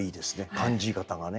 感じ方がね。